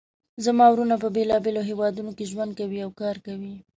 زما وروڼه په بیلابیلو هیوادونو کې ژوند کوي او کار کوي